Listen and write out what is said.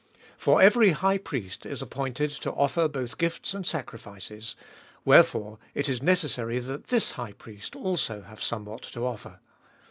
3. For every high priest is appointed to offer both gifts and sacrifices : wherefore it is necessary that this High Priest also have somewhat to offer.